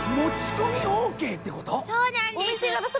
そうなんです。